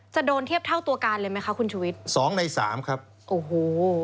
จะโดนเทียบเท่าตัวการเลยไหมคะคุณชุวิตสองในสามครับโอ้โห